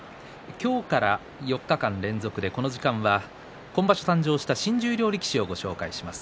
今日から４日間連続でこの時間は今場所誕生した新十両力士をご紹介します。